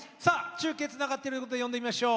中継つながっているので呼んでみましょう。